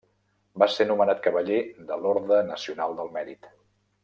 Va ser nomenat cavaller de l'Orde Nacional del Mèrit.